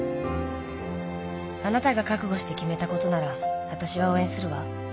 「あなたが覚悟して決めたことならわたしは応援するわ。